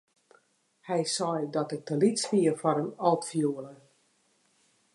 Hy sei dat ik te lyts wie foar in altfioele.